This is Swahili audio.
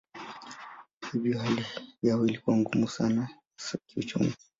Hivyo hali yao ilikuwa ngumu sana kiuchumi.